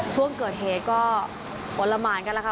ช่วงเกิดเหตุก็วรรมานกันแล้วครับ